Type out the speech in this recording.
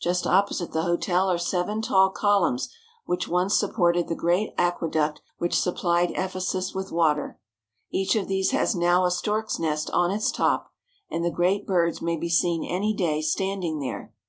Just opposite the hotel are seven tall columns which once supported the great aqueduct which supplied Ephe sus with water. Each of these has now a stork's nest on its top, and the great birds may be seen any day standing there.